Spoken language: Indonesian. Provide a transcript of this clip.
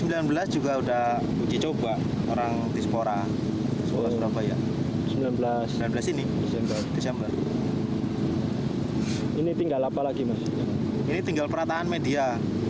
ini tinggal perataan media